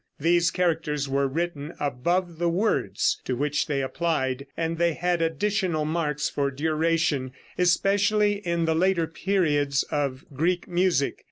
These characters were written above the words to which they applied, and they had additional marks for duration, especially in the later periods of Greek music.